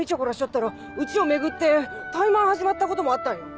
ったらうちを巡ってタイマン始まったこともあったんよ。